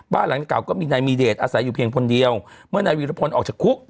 หลังเก่าก็มีนายมีเดชอาศัยอยู่เพียงคนเดียวเมื่อนายวีรพลออกจากคุก